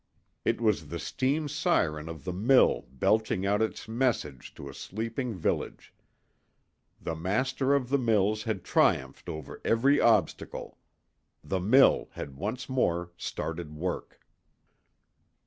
It was the steam siren of the mill belching out its message to a sleeping village. The master of the mills had triumphed over every obstacle. The mill had once more started work.